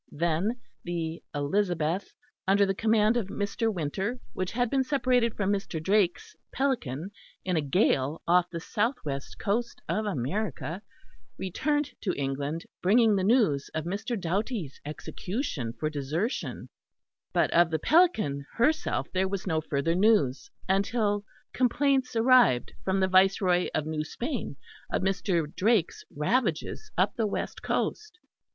Then the Elizabeth, under the command of Mr. Winter, which had been separated from Mr. Drake's Pelican in a gale off the south west coast of America, returned to England, bringing the news of Mr. Doughty's execution for desertion; but of the Pelican herself there was no further news until complaints arrived from the Viceroy of New Spain of Mr. Drake's ravages up the west coast.